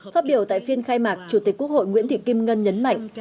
phát biểu tại phiên khai mạc chủ tịch quốc hội nguyễn thị kim ngân nhấn mạnh